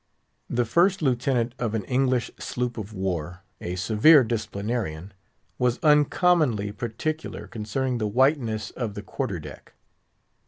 The First Lieutenant of an English sloop of war, a severe disciplinarian, was uncommonly particular concerning the whiteness of the quarter deck.